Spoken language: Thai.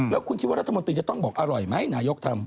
แล้วคุณคิดว่ารัฐมนตรีจะต้องบอกอร่อยไหมนายกทำ